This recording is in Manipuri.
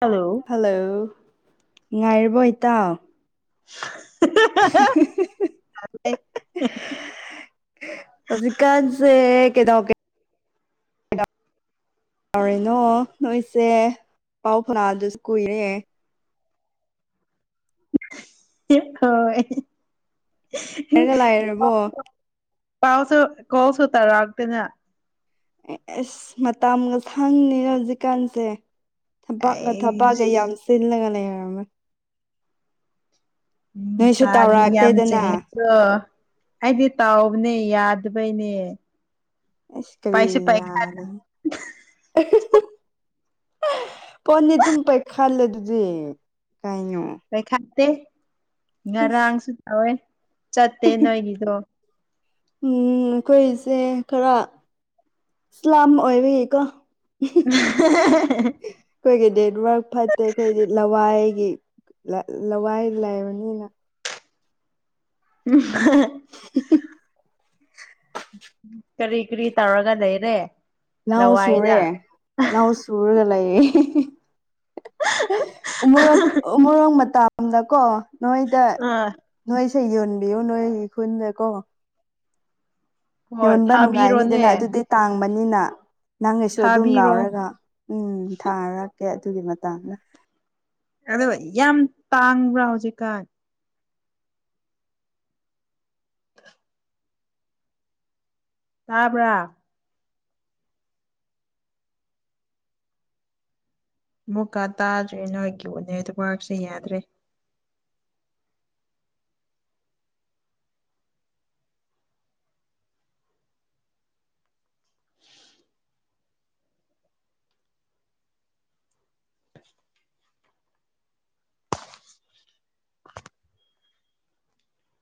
ꯍꯜꯂꯣ ꯍꯜꯂꯣ, ꯅꯨꯡꯉꯥꯏꯔꯤꯕꯣ ꯏꯇꯥꯎ [unintelligible] ꯍꯧꯖꯤꯛ ꯀꯥꯟꯁꯦ ꯀꯩꯗꯧꯒꯦ ꯇꯧꯔꯦꯅꯣ ꯅꯣꯏꯁꯦ ꯄꯥꯎ ꯐꯥꯎꯅꯗꯁꯨ ꯀꯨꯏꯔꯦ [unintelligible] ꯂꯥꯏꯔꯒ ꯂꯥꯏꯔꯕꯣ ꯍꯣꯏ ꯄꯥꯎꯁꯨ ꯀꯣꯜꯁꯨ ꯇꯧꯔꯛꯇꯅ ꯑꯦ ꯑꯁ ꯃꯇꯝꯒ ꯈꯪꯅꯤ ꯍꯧꯖꯤꯛ ꯀꯥꯟꯁꯦ ꯊꯥꯕꯛꯀ ꯊꯥꯕꯛꯀ ꯌꯥꯝ ꯑꯩꯁ ꯆꯤꯜꯂꯒ ꯂꯩꯔꯝꯃꯦ ꯃꯤ ꯅꯣꯏꯁꯨ ꯃꯆꯥꯗꯤ ꯌꯥꯝ ꯇꯧꯔꯛꯇꯦꯗꯅ ꯆꯤꯜꯂꯤꯀꯣ ꯑꯩꯗꯤ ꯇꯥꯎꯕꯅꯦ ꯌꯥꯗꯕꯩꯅꯦ ꯑꯩꯁ ꯀꯔꯤ ꯄꯥꯏꯁꯨ ꯌꯥꯗꯕ ꯐꯣꯟꯗꯤ ꯑꯗꯨꯨꯝ ꯄꯥꯏꯈꯜꯂꯗꯨꯗꯤ ꯀꯩꯅꯣ ꯄꯩꯈꯥꯠꯇꯦ ꯏꯁ ꯉꯔꯥꯡꯁꯨ ꯇꯧꯋꯦ ꯆꯠꯇꯦ ꯅꯣꯏꯒꯤꯗꯣ ꯎꯝ ꯑꯩꯈꯣꯏꯁꯦ ꯈꯔ ꯏꯁꯂꯥꯝ ꯑꯣꯏꯕꯒꯤ ꯀꯣ [unintelligible] ꯑꯩꯈꯣꯏꯒꯤ ꯅꯦꯠ ꯋꯥꯔꯛ ꯐꯠꯇꯦ ꯑꯩꯈꯣꯏꯗꯤ ꯂꯋꯥꯏꯒꯤ ꯂꯋꯥꯏ ꯂꯩꯕꯅꯤꯅ [unintelligible] ꯀꯔꯤ ꯀꯔꯤ ꯇꯧꯔꯒ ꯂꯩꯔꯦ ꯂꯧ ꯂꯋꯥꯢꯗ ꯁꯨꯔꯦ ꯂꯧ ꯁꯔꯒ ꯂꯩꯌꯦ ꯎꯃꯣꯔꯣꯛ ꯎꯃꯣꯔꯣꯛ ꯃꯇ ꯁꯝꯗꯀꯣ ꯅꯣꯢꯗ ꯑꯥ ꯅꯣꯢꯁꯦ ꯌꯣꯟꯕꯤꯌꯨ ꯅꯣꯢꯒꯤ ꯈꯨꯟꯗ ꯀꯣ ꯍꯣꯏ ꯌꯣꯟꯕ ꯊꯥꯕꯤꯔꯣꯅꯦ ꯅꯨꯡꯉꯥꯢꯅꯤꯗꯅ ꯑꯗꯨꯗꯤ ꯇꯥꯡꯕꯅꯤꯅ ꯅꯪꯒꯤꯁꯨ ꯑꯗꯨꯝ ꯊꯥꯕꯤꯔꯣ ꯂꯥꯎꯔꯒ ꯎꯝ ꯊꯥꯔ ꯀꯦ ꯑꯗꯨꯒꯤ ꯃꯇꯥꯡꯗ ꯑꯗꯣ ꯌꯥꯝ ꯇꯥꯡꯕ꯭ꯔꯥ ꯍꯧꯖꯤꯛꯀꯥꯟ ꯇꯥꯕ꯭ꯔꯥ ꯃꯨꯛꯀꯥ ꯇꯥꯗ꯭ꯔꯦ ꯅꯣꯢꯒꯤꯕꯨꯅꯦ ꯑꯗꯨ ꯋꯥꯏꯞꯁꯦ ꯌꯥꯗ꯭ꯔꯦ [inaudible]